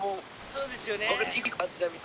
そうですよね。